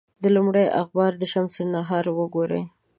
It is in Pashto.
د لومړي اخبار شمس النهار وګوري.